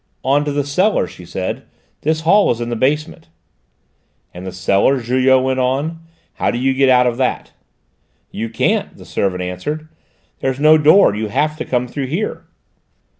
"On to the cellar," she said; "this hall is in the basement." "And the cellar," Julot went on; "how do you get out of that?" "You can't," the servant answered; "there's no door; you have to come through here."